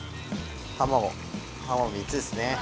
卵３つですね。